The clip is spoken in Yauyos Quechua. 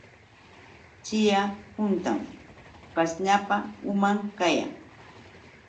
Chiya huntam pashñapa uman kayan.